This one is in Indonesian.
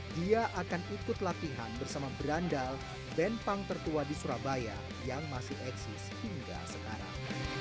dia akan ikut latihan bersama berandal band punk tertua di surabaya yang masih eksis hingga sekarang